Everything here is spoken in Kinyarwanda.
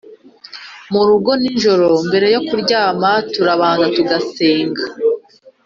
Murugo ninjoro mbere yo kuryama turabanza tugasenga